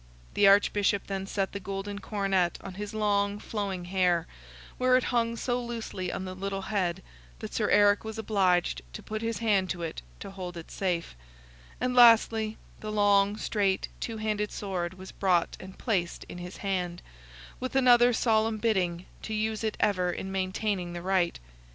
The Archbishop then set the golden coronet on his long, flowing hair, where it hung so loosely on the little head, that Sir Eric was obliged to put his hand to it to hold it safe; and, lastly, the long, straight, two handed sword was brought and placed in his hand, with another solemn bidding to use it ever in maintaining the right.